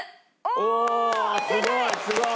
おおーっすごいすごい！